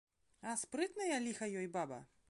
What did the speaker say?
А спрытная, ліха ёй, баба.